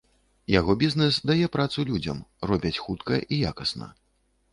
Яго бізнэс дае працу людзям, робяць хутка і якасна.